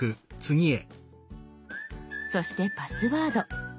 そしてパスワード。